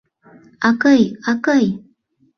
Акый, акый!